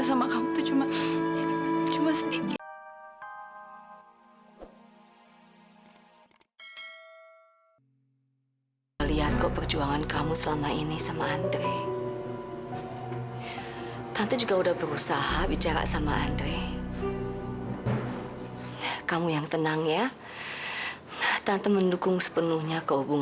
sampai jumpa di video selanjutnya